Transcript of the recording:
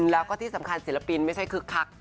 แล้วก็ที่สำคัญศิลปินไม่ใช่คึกคัก